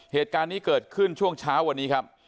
เหตุการณ์นี้เกิดขึ้นช่วงเช้าวันนี้ครับ